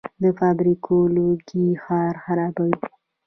د فابریکو لوګي ښار خرابوي.